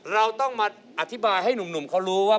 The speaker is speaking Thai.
เราต้องมาอธิบายให้หนุ่มเขารู้ว่า